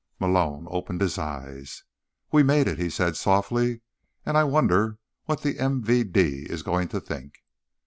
Malone opened his eyes. "We made it," he said softly. "And I wonder what the MVD is going to think."